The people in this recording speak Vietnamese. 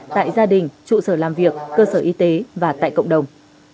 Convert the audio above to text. tại gia đình trụ sở làm việc cơ sở y tế và tại cộng đồng